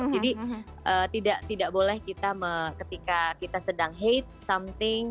jadi tidak boleh kita ketika kita sedang hate something